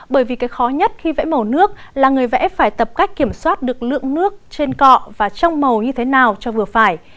bởi vì cái khó nhất khi vẽ màu nước là người vẽ phải tập cách kiểm soát được lượng nước trên cọ và trong màu như thế nào cho vừa phải